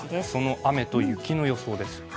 その雨と雪の予想です。